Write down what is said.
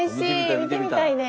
見てみたいです。